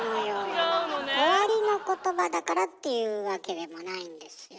終わりのことばだからっていうわけでもないんですよ。